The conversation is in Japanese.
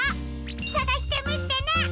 さがしてみてね！